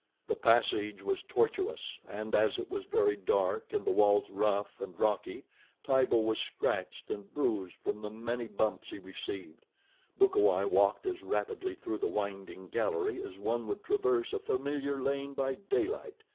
The passage was tortuous, and as it was very dark and the walls rough and rocky, Tibo was scratched and bruised from the many bumps he received. Bukawai walked as rapidly through the winding gallery as one would traverse a familiar lane by daylight.